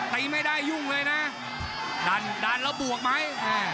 ตีไม่ได้ยุ่งเลยนะดันดันแล้วบวกไหม